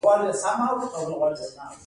خطر یې څو چنده زیات شوی دی